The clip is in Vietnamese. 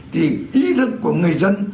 thì ý thức của người dân